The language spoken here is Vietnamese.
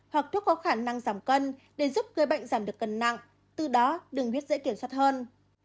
hoặc thuốc có khả năng giảm cân để giúp cơ bệnh giảm được cân nặng từ đó đường huyết dễ kiểm soát hơn